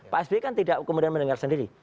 pak sby kan tidak kemudian mendengar sendiri